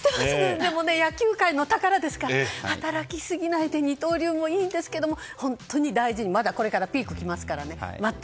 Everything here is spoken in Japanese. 野球界の宝ですから働きすぎないで二刀流もいいんですけど本当に大事にまだこれからピークが来ますからね。